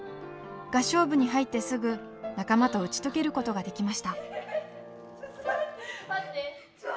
合唱部に入ってすぐ仲間と打ち解けることができました。